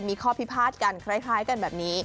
มีข้อพิพาทกันคล้ายกันแบบนี้